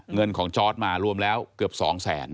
เงินของจอร์ดมารวมแล้วเกือบ๒แสน